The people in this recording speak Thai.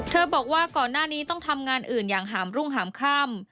บอกว่าก่อนหน้านี้ต้องทำงานอื่นอย่างหามรุ่งหามค่ำ